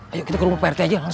ayo kita ke rumah prt aja mas